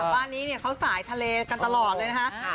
บ้านนี้เขาสายทะเลกันตลอดเลยนะคะ